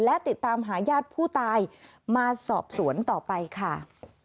และติดตามหาญาติผู้ตายมาสอบสวนต่อไปค่ะ